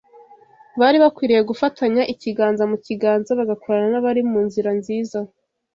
Bari bakwiriye gufatanya, ikiganza mu kiganza, bagakorana n’abari mu nzira nziza.